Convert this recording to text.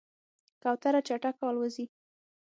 کوتره چټکه الوزي.